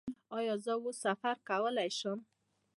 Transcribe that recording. ایا زه اوس سفر کولی شم؟